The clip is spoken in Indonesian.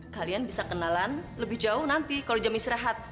kalian bisa kenalan lebih jauh nanti kalo jam isi rehat